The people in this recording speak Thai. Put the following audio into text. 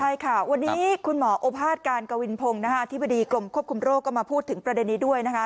ใช่ค่ะวันนี้คุณหมอโอภาษการกวินพงศ์อธิบดีกรมควบคุมโรคก็มาพูดถึงประเด็นนี้ด้วยนะคะ